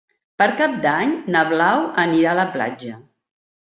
Per Cap d'Any na Blau anirà a la platja.